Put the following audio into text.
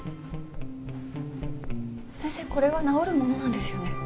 先生これは治るものなんですよね？